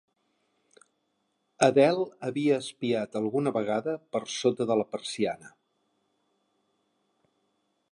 Adele havia espiat alguna vegada per sota de la persiana.